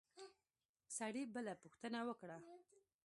سړي بله پوښتنه وکړه.